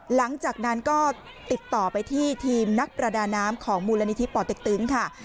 หลังจากนั้นก็ติดต่อไปที่ทีมนักประดาน้ำของมูลนิธิป่อเต็กตึงค่ะ